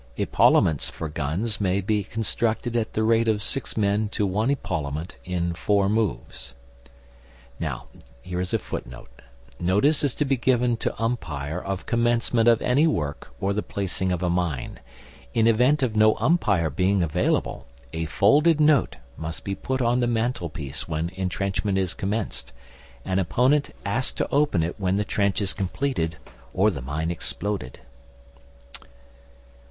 Epaulements for guns may be constructed at the rate of six men to one epaulement in four moves.* [* Notice to be given to umpire of commencement of any work or the placing of a mine. In event of no umpire being available, a folded note must be put on the mantelpiece when entrenchment is commenced, and opponent asked to open it when the trench is completed or the mine exploded.